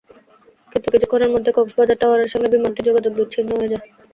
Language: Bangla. কিন্তু কিছুক্ষণের মধ্যে কক্সবাজার টাওয়ারের সঙ্গে বিমানটির যোগাযোগ বিচ্ছিন্ন হয়ে যায়।